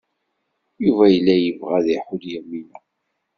Yuba yella yebɣa ad iḥudd Yamina.